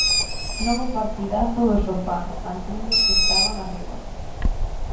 Novo partidazo do Sofán ante un dos que estaban arriba.